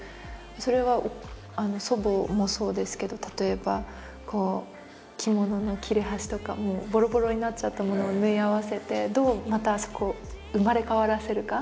それは祖母もそうですけど例えば着物の切れ端とかもうぼろぼろになっちゃったものを縫い合わせてどうまたそこを生まれ変わらせるか。